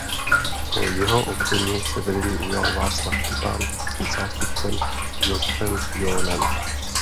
Po jeho odchodu se vedení ujal Václav Štěpán se zástupcem Josefem Johnem.